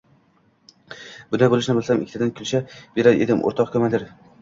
Bunday bo‘lishini bilsam, ikkitadan kulcha berar edim, o‘rtoq komandir.